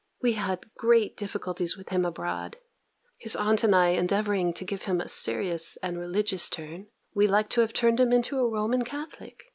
We had great difficulties with him abroad: his aunt and I endeavouring to give him a serious and religious turn, we had like to have turned him into a Roman Catholic.